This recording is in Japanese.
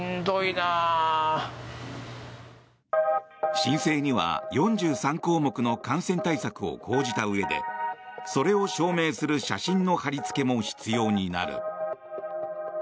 申請には４３項目の感染対策を講じたうえでそれを証明する写真の貼りつけも必要になる。